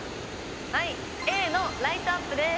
はいＡのライトアップです。